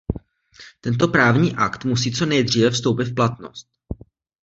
Tento právní akt musí co nejdříve vstoupit v platnost.